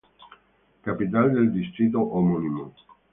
Capital del distrito homónimo.